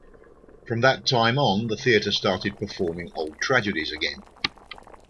From that time on, the theatre started performing old tragedies again.